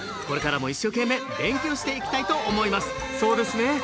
これからも一生懸命勉強していきたいと思いますそうですね。